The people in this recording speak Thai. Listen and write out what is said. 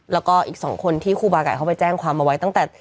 แล้วก็อีก๒คนที่ครูบาไก่เขาไปแจ้งความเอาไว้ตั้งแต่